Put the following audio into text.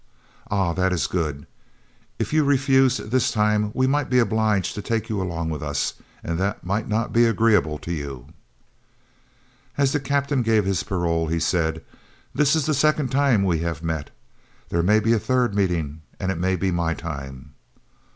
"Ah! that is good. If you refused this time we might be obliged to take you along with us, and that might not be agreeable to you." As the Captain gave his parole, he said, "This is the second time we have met. There may be a third meeting, and it may be my time."